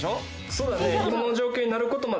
そうだね。